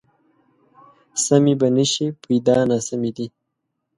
سمې به نه شي، پیدا ناسمې دي